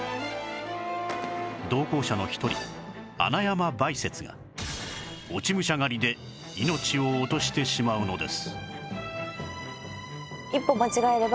同行者の一人穴山梅雪が落武者狩りで命を落としてしまうのです